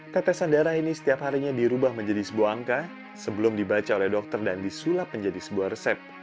tetesan darah ini setiap harinya dirubah menjadi sebuah angka sebelum dibaca oleh dokter dan disulap menjadi sebuah resep